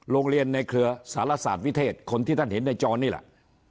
โรงเรียนในเครือสารศาสตร์วิเทศคนที่ท่านเห็นในจอนี่แหละ